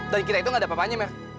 dan kita itu nggak ada papanya mel